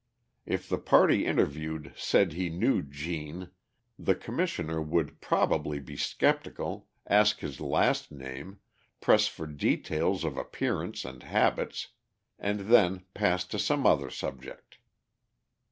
If the party interviewed said he knew "Gene," the Commissioner would probably be sceptical, ask his last name, press for details of appearance and habits, and then pass to some other subject.